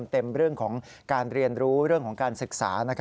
เรื่องของการเรียนรู้เรื่องของการศึกษา